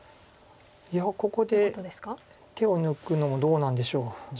いやここで手を抜くのもどうなんでしょう。